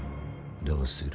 どうする？